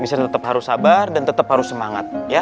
bisa tetap harus sabar dan tetap harus semangat